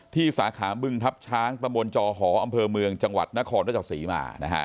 ที่สาขามึงทับช้างตะบนจอหออำเภอเมืองจังหวัดนครรภ์ตะเจ้าศรีมา